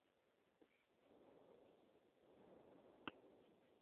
其产品为同德代工生产。